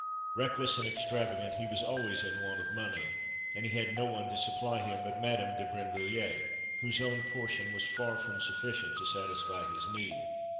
Reckless and extravagant, he was always in want of money, and he had no one to supply him but Madame de Brinvilliers, whose own portion was far from sufficient to satisfy his need.